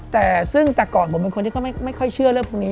แต่ซึ่งจากก่อนผมเป็นคนที่เขาไม่ค่อยเชื่อเรื่องพวกนี้